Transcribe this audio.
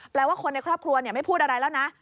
แปลว่าคนในครอบครัวไม่พูดอะไรแล้วนะ